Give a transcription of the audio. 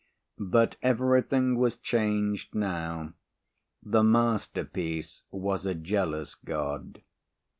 But everything was changed now. The masterpiece was a jealous god.